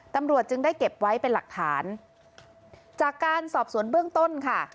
ตำรวจจึงได้เก็บไว้เป็นหลักฐานจากการสอบสวนเบื้องต้นค่ะ